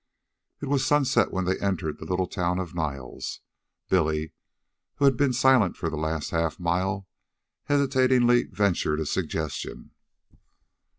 It was sunset when they entered the little town of Niles. Billy, who had been silent for the last half mile, hesitantly ventured a suggestion.